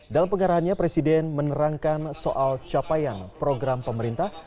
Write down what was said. dalam pengarahannya presiden menerangkan soal capaian program pemerintah